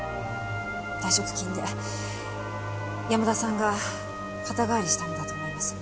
退職金で山田さんが肩代わりしたんだと思います。